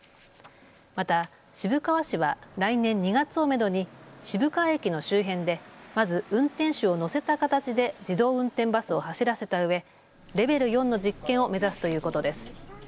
また渋川市は来年２月をめどに渋川駅の周辺で、まず運転手を乗せた形で自動運転バスを走らせたうえ、レベル４の実験を目指すということです。